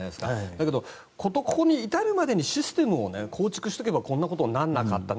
だけど、ここに至るまでにシステムを構築しておけばこんなことにならなかった。